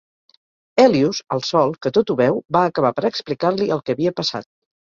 Hèlios, el sol, que tot ho veu, va acabar per explicar-li el que havia passat.